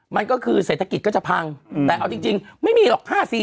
มันก็คือเศรษฐกิจก็จะพังแต่เอาจริงไม่มีหรอก